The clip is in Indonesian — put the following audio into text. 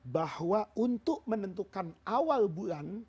bahwa untuk menentukan awal bulan